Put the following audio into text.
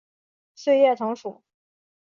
穗叶藤属。